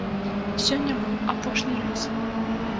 Сёння быў апошні рэйс.